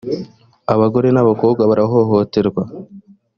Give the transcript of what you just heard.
abagore n’abakobwa barahohoterwa.